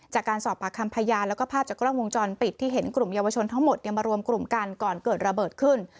จากการสอบปากคำพยานแล้วก็ภาพจากกล้องวงจรปิดที่เห็นกลุ่มเยาวชนทั้งหมดมารวมกลุ่มกันก่อนเกิดระเบิดขึ้น